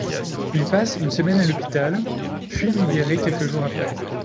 Il passe une semaine à l'hôpital, puis libéré quelques jours après.